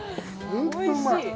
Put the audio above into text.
本当うまい。